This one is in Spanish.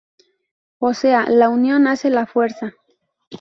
O sea, la unión hace la fuerza".